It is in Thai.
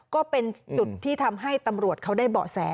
ก็เป็นจุดที่ทำให้ตำรวจเขาได้เบาะแส